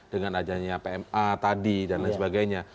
dengan adanya pma tadi dan lain sebagainya